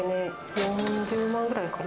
４０万くらいかな？